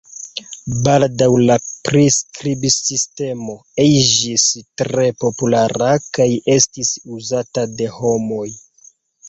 Baldaŭ la skribsistemo iĝis tre populara kaj estis uzata de homoj.